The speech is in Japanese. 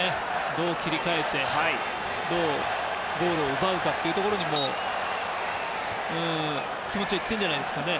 どう切り替えてどうゴールを奪うかにも気持ちが行っているんじゃないでしょうか。